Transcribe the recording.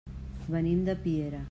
Venim de Piera.